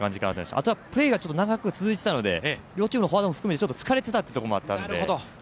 あとはプレーがちょっと長く続いていたので、両チームのフォワードも含めてちょっと疲れてたところもあったので。